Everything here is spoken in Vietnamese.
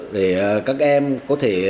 để các em có thể